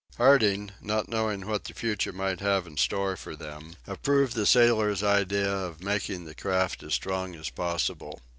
Harding, not knowing what the future might have in store for them, approved the sailor's idea of making the craft as strong as possible.